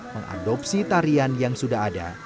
mengadopsi tarian yang sudah ada